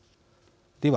では